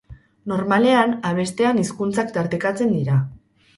Normalean, abestean hizkuntzak tartekatzen dira.